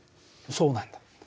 そうなんだ。